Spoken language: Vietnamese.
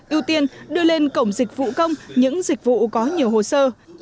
ưu tiên đưa lên cổng dịch vụ công những dịch vụ có nhiều hồ sơ